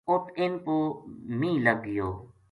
اُت اِنھ پو مییہ لگ گیو